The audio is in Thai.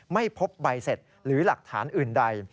ไม่พบใบเสร็จหรือหลักฐานอื่นใด